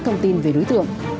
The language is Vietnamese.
thông tin về đối tượng